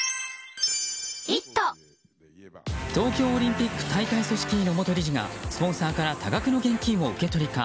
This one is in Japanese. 東京オリンピック大会組織委の元理事がスポンサーから多額の現金を受け取りか。